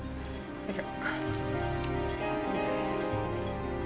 よいしょ！